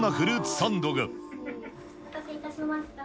お待たせいたしました。